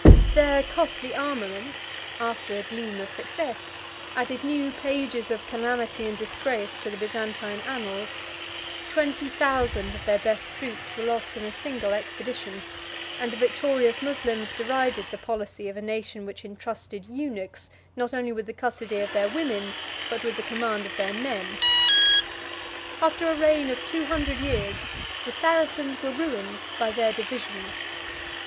Their costly armaments, after a gleam of success, added new pages of calamity and disgrace to the Byzantine annals: twenty thousand of their best troops were lost in a single expedition; and the victorious Moslems derided the policy of a nation which intrusted eunuchs not only with the custody of their women, but with the command of their men 20 After a reign of two hundred years, the Saracens were ruined by their divisions.